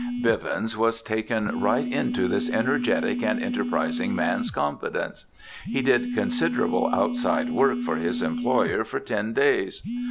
Bivens was taken right into this energetic and enterprising man's confidence. He did considerable outside work for his employer for ten days.